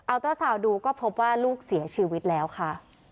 เอาเตอร์ซาวน์ดูก็พบว่าลูกเสียชีวิตแล้วค่ะ